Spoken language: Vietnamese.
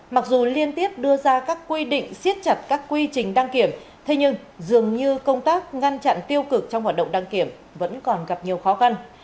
mặc dù liên tiếp đưa ra các quy định siết chặt các quy trình đăng kiểm thế nhưng dường như công tác ngăn chặn tiêu cực trong hoạt động đăng kiểm vẫn còn gặp nhiều khó khăn